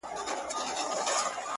زه د رنگونو د خوبونو و زوال ته گډ يم;